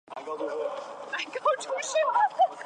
萨莱涅人口变化图示